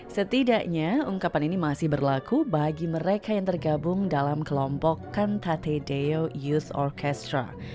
setidaknya ungkapan ini masih berlaku bagi mereka yang tergabung dalam kelompok kantate deo use orkestra